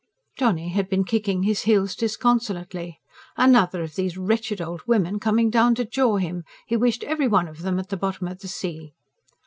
Johnny had been kicking his heels disconsolately: another of these wretched old women coming down to jaw him! He wished every one of them at the bottom of the sea.